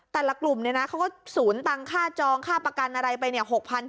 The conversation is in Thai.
แต่ละกลุ่มเขาก็สูญตังค่าจองค่าประกันอะไรไปเนี่ย